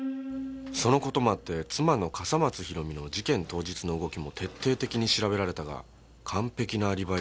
その事もあって妻の笠松ひろみの事件当日の動きも徹底的に調べられたが完璧なアリバイが成立している